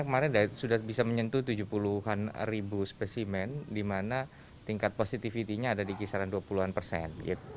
kemarin sudah bisa menyentuh tujuh puluh an ribu spesimen di mana tingkat positivity nya ada di kisaran dua puluh an persen